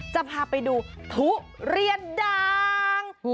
จะพาไปดูทุเรียนดัง